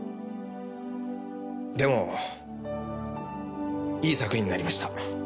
でもいい作品になりました。